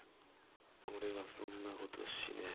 俺はそんなことしねぇ。